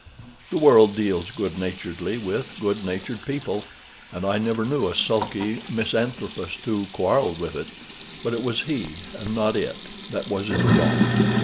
The world deals good naturedly with good natured people, and I never knew a sulky misanthropist who quarrelled with it, but it was he, and not it, that was in the wrong.